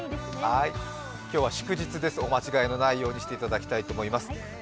今日は祝日です、お間違えのないようしていただきたいと思います。